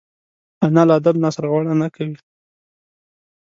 انا له ادب نه سرغړونه نه کوي